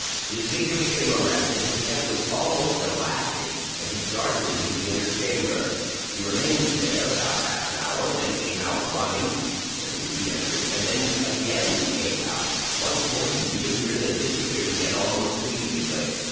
His figure became erect, and his step was almost elastic, as he darted into the inner chamber. He remained there about half an hour; then came out running, then re entered and then again came out; once more he reappeared and disappeared again almost immediately.